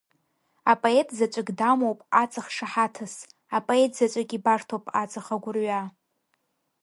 Апоет заҵәык дамоуп аҵых шаҳаҭыс, апоет заҵәык ибарҭоуп аҵых агәырҩа.